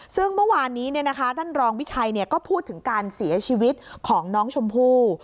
ซึ่งเมื่อวานนี้ท่านรองวิชัยก็พูดถึงการเสียชีวิตของน้องชมพู่